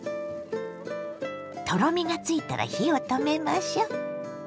とろみがついたら火を止めましょ。